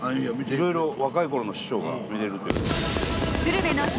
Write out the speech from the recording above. いろいろ若いころの師匠が見れるんです。